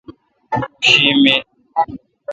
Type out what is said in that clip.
اوں شی می